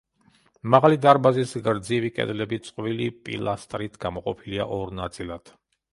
მაღალი დარბაზის გრძივი კედლები წყვილი პილასტრით გამოყოფილია ორ ნაწილად.